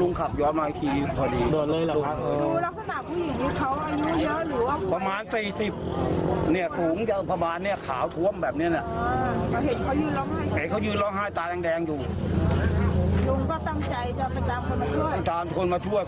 ลุงก็ตั้งใจจะไปตามคนมาช่วยตามคนมาช่วย